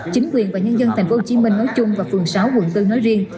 chính quyền và nhân dân tp hcm nói chung và phường sáu quận bốn nói riêng